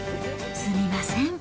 すみません。